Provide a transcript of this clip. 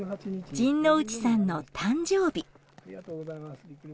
陣内さんの誕生日。